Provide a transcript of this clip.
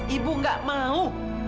ibu nggak mau